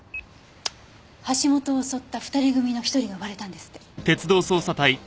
橋本を襲った２人組の１人が割れたんですって。